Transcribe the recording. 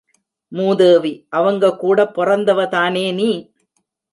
மூதேவி, அவங்கூடப் பொறந்தவதானே நீ.